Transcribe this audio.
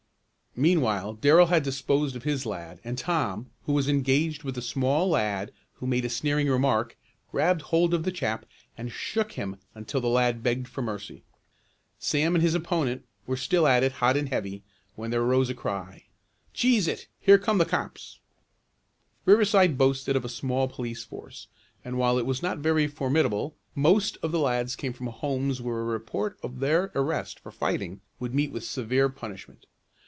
Meanwhile Darrell had disposed of his lad, and Tom, who was engaged with a small lad who made a sneering remark, grabbed hold of the chap and shook him until the lad begged for mercy. Sam and his opponent were still at it hot and heavy when there arose a cry: "Cheese it here come the cops!" Riverside boasted of a small police force, and while it was not very formidable, most of the lads came from homes where a report of their arrest for fighting would meet with severe punishment.